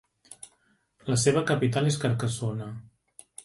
La seva capital és Carcassona.